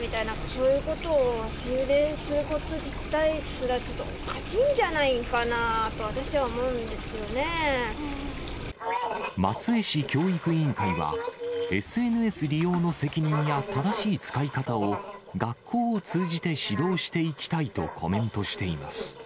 そういうことを足湯ですること自体すら、ちょっとおかしいんじゃ松江市教育委員会は、ＳＮＳ利用の責任や正しい使い方を、学校を通じて指導していきたいとコメントしています。